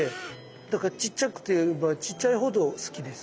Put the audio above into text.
だからちっちゃくてばちっちゃいほど好きです。